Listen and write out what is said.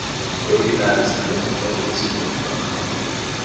Lady Gaga está mesmo belíssima e aclamada